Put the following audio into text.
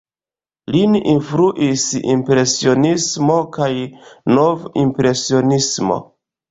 Lin influis Impresionismo kaj Nov-impresionismo.